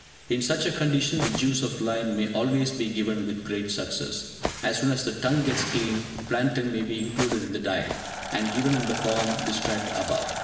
In such a condition, the juice of lime may always be given with great success. As soon as the tongue gets clean, plantain may be included in the diet, and given in the form described above.